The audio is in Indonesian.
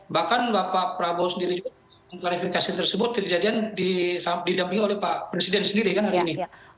bahkan bapak prabowo sendiri juga mengklarifikasi tersebut kejadian didampingi oleh pak presiden sendiri kan hari ini